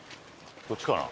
こっちかな？